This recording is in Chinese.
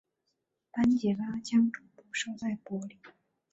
班杰拉将总部设在柏林。